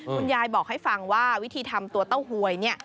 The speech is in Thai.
คุณยายบอกให้ฟังว่าวิธีทำตัวเต้าหวยเนี่ย